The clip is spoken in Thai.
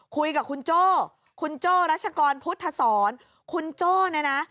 คุยกับคุณโจ้คุณโจ้รัชกรพุทธศรคุณโจ้เนี่ยนะ